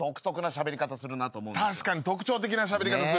確かに特徴的なしゃべり方するよね。